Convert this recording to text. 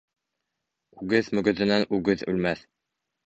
Үгеҙ мөгөҙөнән үгеҙ үлмәҫ.